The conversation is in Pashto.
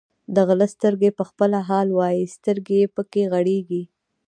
د غله سترګې په خپله حال وایي، سترګې یې پکې غړېږي.